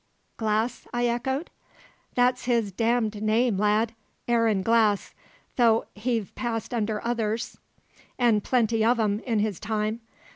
"Glass?" I echoed. "That's his d d name, lad Aaron Glass; though he've passed under others, and plenty of 'em, in his time.